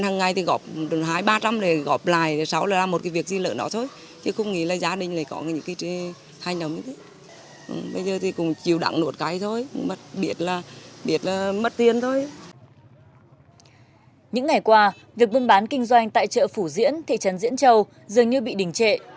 những ngày qua việc buôn bán kinh doanh tại chợ phủ diễn thị trấn diễn châu dường như bị đình trệ